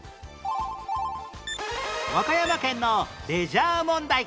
和歌山県のレジャー問題